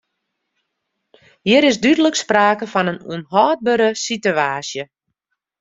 Hjir is dúdlik sprake fan in ûnhâldbere sitewaasje.